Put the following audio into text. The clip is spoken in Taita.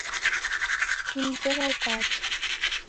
Nimzera ukacha.